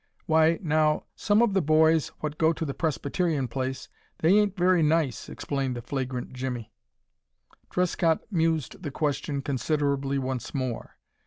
"Why now some of the boys what go to the Presbyterian place, they ain't very nice," explained the flagrant Jimmie. Trescott mused the question considerably once more.